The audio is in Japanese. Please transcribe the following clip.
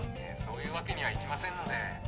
そういうわけにはいきませんので。